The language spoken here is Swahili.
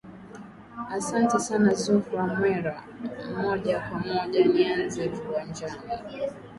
asante sana zuhra mwera moja kwa moja nianzie viwanjani